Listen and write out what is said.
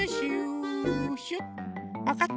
わかった？